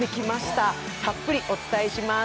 たっぷりお伝えします。